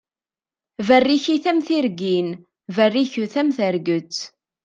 Berrikit am tirgin, berriket am terget.